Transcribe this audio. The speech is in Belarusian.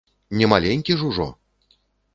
Не маленькі ж ужо!